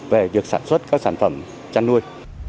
về việc sản xuất các sản phẩm chăn nuôi